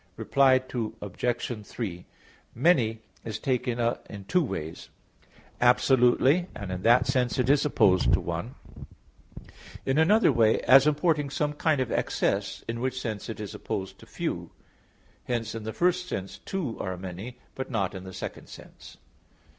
Reply Obj. 3: "Many" is taken in two ways: absolutely, and in that sense it is opposed to "one"; in another way as importing some kind of excess, in which sense it is opposed to "few"; hence in the first sense two are many but not in the second sense.